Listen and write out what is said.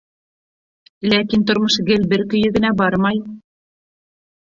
Ләкин тормош гел бер көйө генә бармай.